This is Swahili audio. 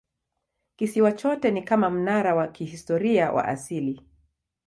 Kisiwa chote ni kama mnara wa kihistoria wa asili.